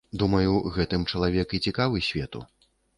Думаю, гэтым чалавек і цікавы свету.